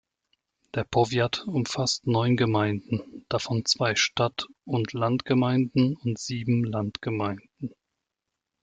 Der Powiat umfasst neun Gemeinden, davon zwei Stadt-und-Land-Gemeinden und sieben Landgemeinden.